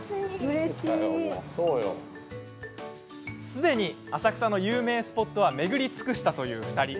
すでに浅草の有名スポットは巡り尽くしたという２人。